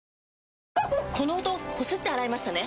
この音こすって洗いましたね？